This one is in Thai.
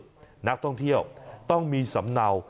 นักท่องเที่ยวต้องมีสำเนา